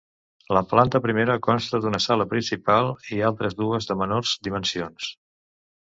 La planta primera consta d'una sala principal i altres dues de menors dimensions.